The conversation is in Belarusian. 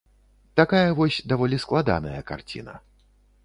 Такая вось даволі складаная карціна.